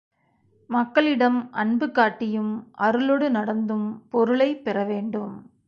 மக்களிடம் அன்பு காட்டியும், அருளொடு நடந்தும் பொருளைப் பெற வேண்டும்.